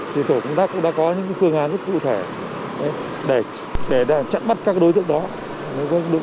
thì tổ công tác cũng đã có những phương án rất cụ thể để chặn bắt các đối tượng đó